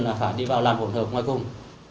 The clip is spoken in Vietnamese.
là phải đi vào làn hộp hợp ngoài cùng